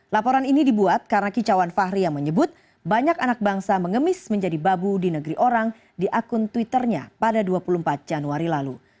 laporan ini dibuat karena kicauan fahri yang menyebut banyak anak bangsa mengemis menjadi babu di negeri orang di akun twitternya pada dua puluh empat januari lalu